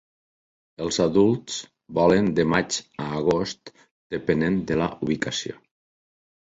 Els adults volen de maig a agost, depenent de la ubicació.